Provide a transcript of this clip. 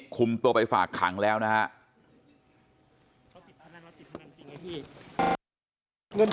คุมตัวไปฝากขังแล้วนะครับ